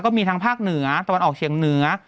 มีทางภาคเหนือตะวันออกเฉียงเหนือ